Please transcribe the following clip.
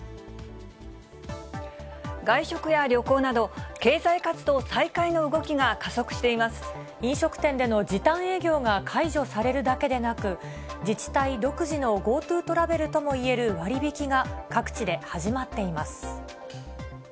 外食や旅行など、経済活動再飲食店での時短営業が解除されるだけでなく、自治体独自のＧｏＴｏトラベルともいえる割引が、各地で始まっています。